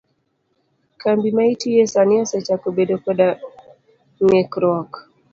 Kambi ma itiye sani osechako bedo koda ng'ikruok?